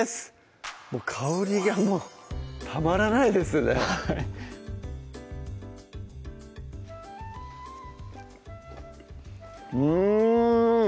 もう香りがもうたまらないですねうん！